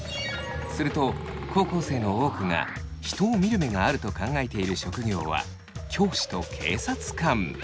すると高校生の多くが人を見る目があると考えている職業は教師と警察官。